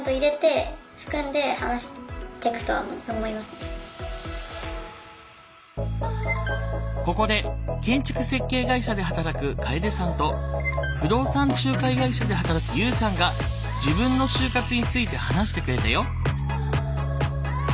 例えばここで建築設計会社で働く楓さんと不動産仲介会社で働くＵさんが自分の就活について話してくれたよ。